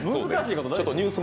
ニュース